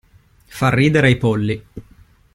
Far ridere i polli.